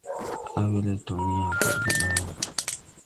Awelɛ tɔŋ yãã pɔɗge ɓay no.